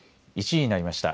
１時になりました。